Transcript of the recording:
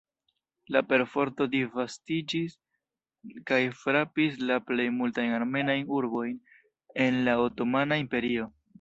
La perforto disvastiĝis kaj frapis la plej multajn armenajn urbojn en la Otomana Imperio.